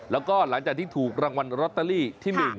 แล้วก็หลังจากที่ถูกรางวัลลอตเตอรี่ที่๑